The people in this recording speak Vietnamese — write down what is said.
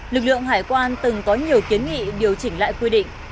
lực lượng hải quan từng có nhiều kiến nghị điều chỉnh lại quy định